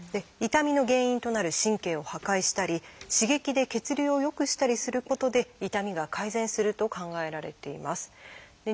痛みの原因となる神経を破壊したり刺激で血流を良くしたりすることで痛みが改善すると考えられています。